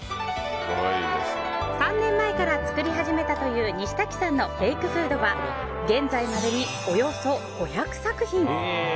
３年前から作り始めたという西瀧さんのフェイクフードは現在までに、およそ５００作品。